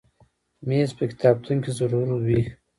مېز په کتابتون کې ضرور وي.